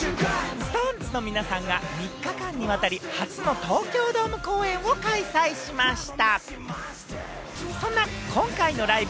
ＳｉｘＴＯＮＥＳの皆さんが３日間にわたり初の東京ドーム公演を開催しました。